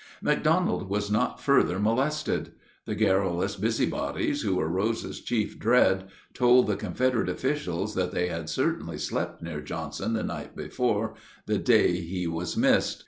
McDonald was not further molested. The garrulous busybodies, who were Rose's chief dread, told the Confederate officials that they had certainly slept near Johnson the night before the day he was missed.